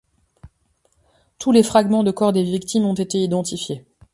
Tous les fragments de corps des victimes ont été identifiés.